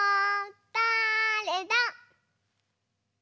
だれだ？